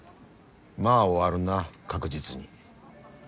まあ終わるな確実に。